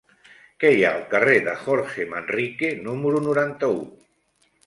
Què hi ha al carrer de Jorge Manrique número noranta-u?